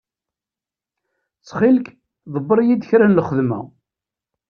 Ttxil-k ḍebbeṛ-iyi-d kra n lxedma.